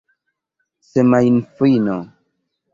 semajnfino